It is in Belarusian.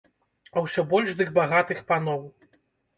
А ўсё больш дык багатых паноў.